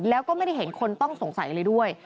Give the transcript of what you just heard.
แล้วก็ไม่ได้เห็นคนต้องสงสัยเลยด้วย